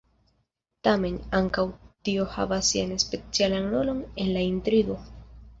Tamen, ankaŭ tio havas sian specialan rolon en la intrigo.